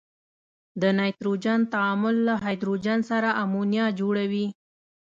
د نایتروجن تعامل له هایدروجن سره امونیا جوړوي.